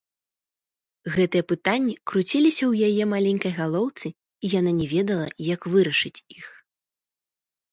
Гэтыя пытанні круціліся ў яе маленькай галоўцы, і яна не ведала, як вырашыць іх.